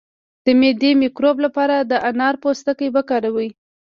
د معدې د مکروب لپاره د انار پوستکی وکاروئ